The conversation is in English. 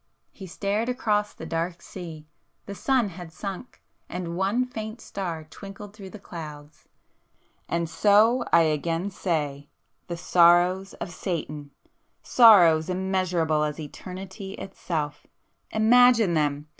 He stared across the dark sea,—the sun had sunk, and one faint star twinkled through the clouds. "And so I again say—the sorrows of Satan! Sorrows immeasurable as eternity itself,—imagine them!